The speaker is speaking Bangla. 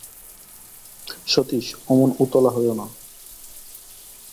সতীশ, অমন উতলা হোয়ো না।